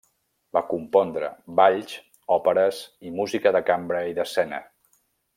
Va compondre, balls, òperes i música de cambra i d'escena.